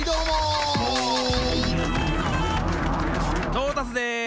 トータスです！